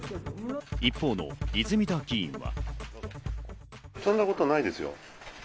一方の泉田議員は。